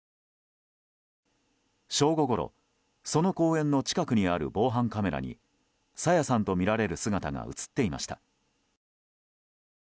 正午ごろ、その公園の近くにある防犯カメラに朝芽さんとみられる姿が映っていました。